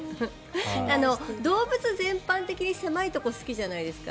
動物、全般的に狭いところ好きじゃないですか。